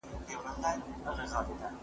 ما به څرنګه را ستون کړي سنګسارونه ستا له لاري